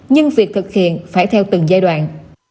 nhưng việc thực hiện phải theo từng giai đoạn